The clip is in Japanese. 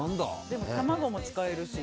でも、卵も使えるし。